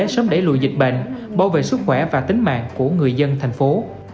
sớm đẩy lùi dịch bệnh bảo vệ sức khỏe và tính mạng của người dân thành phố